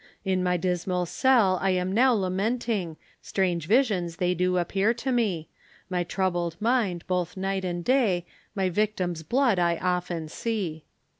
In my dismal cell I am now lamenting, Strange visions they do appear to me, My troubled mind, both night and day, My victim's blood I often see.